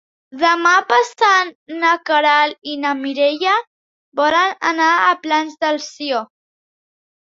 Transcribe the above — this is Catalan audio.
Demà passat na Queralt i na Mireia volen anar als Plans de Sió.